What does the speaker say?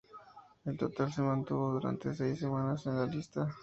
En total se mantuvo durante seis semanas en la lista.